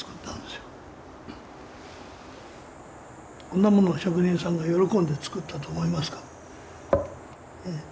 こんなものを職人さんが喜んで作ったと思いますか？